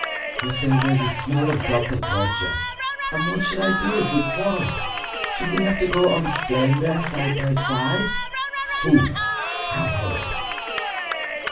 You say there's a smell of gutta percha? And what should I do if we quarrelled should we have to go on staying there side by side? Foo, how horrid!"